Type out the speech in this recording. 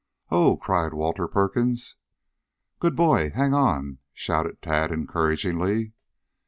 "Oh!" cried Walter Perkins. "Good boy! Hang on!" shouted Tad encouragingly.